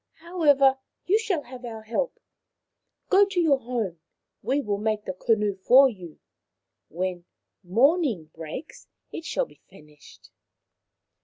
However, you shall have our help. Go to your home. We will make the canoe for you. When morning breaks it shall be finished."